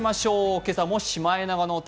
今朝も「シマエナガの歌」